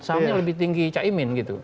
sahamnya lebih tinggi caimin gitu